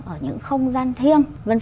ở những không gian thiêng